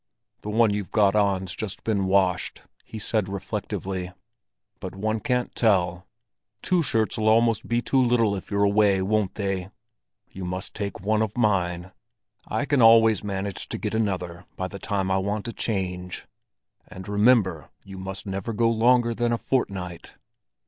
"The one you've got on's just been washed," he said reflectively. "But one can't tell. Two shirts'll almost be too little if you're away, won't they? You must take one of mine; I can always manage to get another by the time I want a change. And remember, you must never go longer than a fortnight!